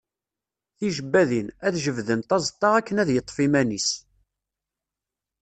Tijebbadin, ad jebdent aẓeṭṭa akken ad yeṭṭef iman-is.